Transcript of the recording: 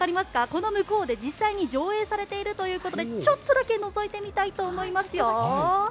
この向こうで実際に上映されているということでちょっとだけのぞいてみたいと思いますよ。